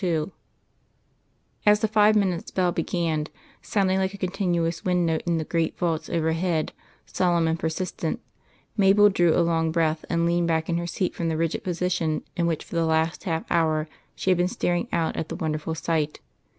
II As the five minutes bell began, sounding like a continuous wind note in the great vaults overhead, solemn and persistent, Mabel drew a long breath and leaned back in her seat from the rigid position in which for the last half hour she had been staring out at the wonderful sight.